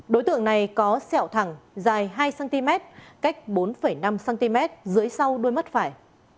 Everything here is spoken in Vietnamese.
đối tượng này có sẹo thẳng dài hai cm cách bốn năm cm dưới sau đuôi mắt phải